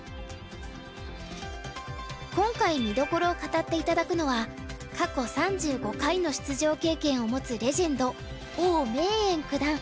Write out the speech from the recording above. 今回見どころを語って頂くのは過去３５回の出場経験を持つレジェンド王銘九段。